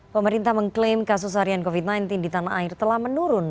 pemerintah mengklaim kasus harian covid sembilan belas di tanah air telah menurun